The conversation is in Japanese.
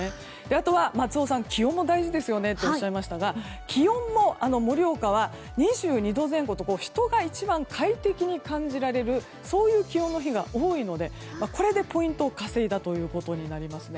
あとは、松尾さん気温も大事ですよねとおっしゃいましたが気温も、盛岡は２２度前後と人が一番、快適に感じられるそういう気温の日が多いのでこれでポイントを稼いだことになりますね。